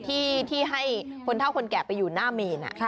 ที่ให้คนเท่าคนแก่ไปอยู่หน้าเมน